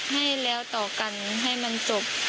ให้แล้วต่อกันให้มันจบ